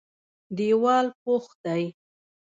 دېوال پخ دی.